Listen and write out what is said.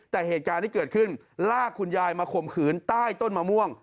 แต่เหตุการณ์ที่เกิดขึ้นลากคุณยายมาข่มขืนใต้ต้นมะม่วง